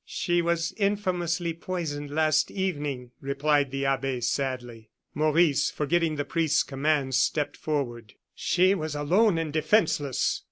"She was infamously poisoned last evening," replied the abbe, sadly. Maurice, forgetting the priest's commands, stepped forward. "She was alone and defenceless.